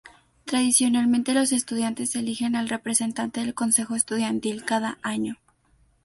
Tradicionalmente los estudiantes eligen al representante del Consejo Estudiantil cada año.